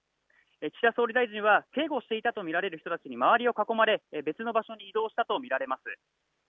岸田総理大臣は警護していたと見られる人たちに周りを囲まれ別の場所に移動したと見られます。